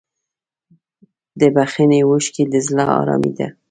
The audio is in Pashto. د بښنې اوښکې د زړه ارامي ده.